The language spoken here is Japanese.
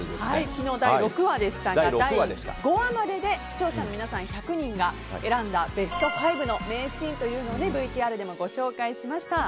昨日、第６話でしたが第５話までで視聴者の皆さん１００人が選んだベスト５の名シーンというのをＶＴＲでもご紹介しました。